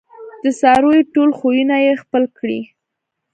د څارویو ټول خویونه یې خپل کړي